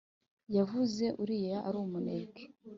yavuze uriya ari umunebwe